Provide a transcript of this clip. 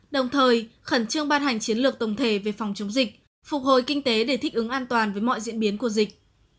đồng thời khẩn trương ban hành chiến lược tổng thể về phòng chống dịch phục hồi kinh tế để thích ứng an toàn với mọi diễn biến của dịch